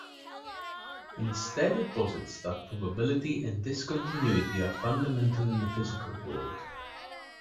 Instead, it posits that probability, and discontinuity, are fundamental in the physical world.